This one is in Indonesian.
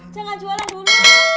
jangan jualan dulu